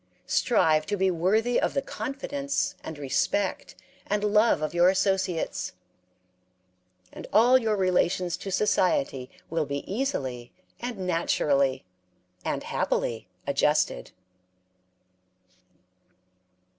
Strive to be worthy of the confidence and respect and love of your associates, and all your relations to society will be easily and naturally and happily adjusted.